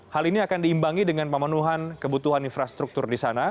hal ini akan diimbangi dengan pemenuhan kebutuhan infrastruktur di sana